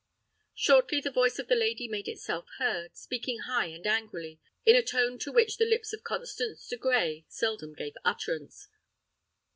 Shortly the voice of the lady made itself heard, speaking high and angrily, in a tone to which the lips of Constance de Grey seldom gave utterance.